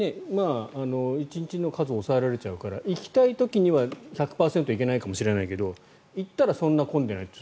１日の数を抑えられちゃうから行きたい時には１００％行けないかもしれないけど行ったらそんなに混んでないって。